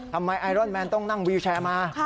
ไอรอนแมนต้องนั่งวิวแชร์มา